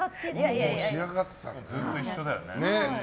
ずっと一緒だよね。